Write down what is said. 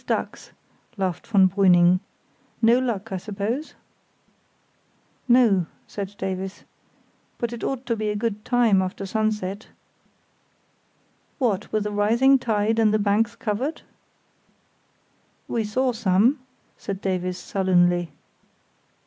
"Always ducks," laughed von Brüning. "No luck, I suppose?" "No," said Davies; "but it ought to be a good time after sunset——" "What, with a rising tide and the banks covered?" "We saw some," said Davies, sullenly.